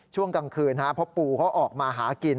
ช่วงกลางคืนเพราะปู่เขาออกมาหากิน